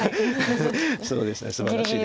そうですねすばらしいです。